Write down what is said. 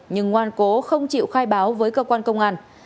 nhưng ngoan cố không chịu khai báo với cơ quan công an